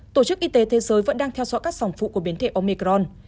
tổ chức y tế thế giới vẫn đang theo dõi các dòng phụ của biến thể omecron